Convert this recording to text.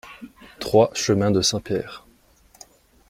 trois chemin de Saint-Père